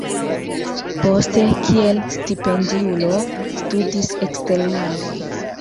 Poste kiel stipendiulo studis eksterlande.